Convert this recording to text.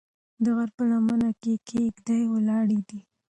د غره په لمنه کې کيږدۍ ولاړې دي.